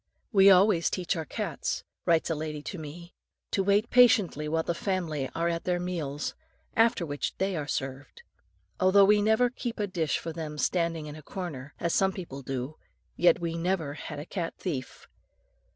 "We always teach our cats," writes a lady to me, "to wait patiently while the family are at their meals, after which they are served. Although we never keep a dish for them standing in a corner, as some people do, yet we never had a cat thief.